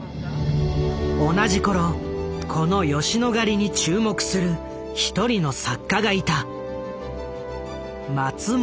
同じ頃この吉野ヶ里に注目する一人の作家がいた。